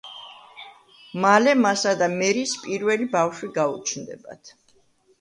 მალე მასა და მერის პირველი ბავშვი გაუჩნდებათ.